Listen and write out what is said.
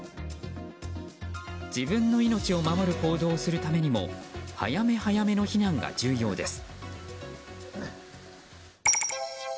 自分の命を守る行動をするためにも早め早めの避難が重要です。